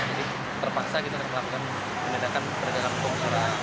jadi terpaksa kita lakukan penyelidikan perjalanan perjalanan